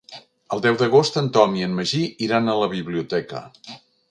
El deu d'agost en Tom i en Magí iran a la biblioteca.